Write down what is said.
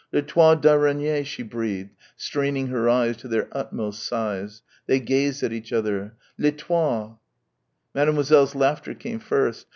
"Les toiles d'araignées," she breathed, straining her eyes to their utmost size. They gazed at each other. "Les toiles ..." Mademoiselle's laughter came first.